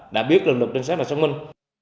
đã biết lực lượng trinh sát và xác minh